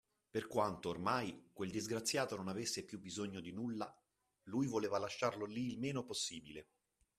Per quanto, ormai, quel disgraziato non avesse più bisogno di nulla, lui voleva lasciarlo lì il meno possibile.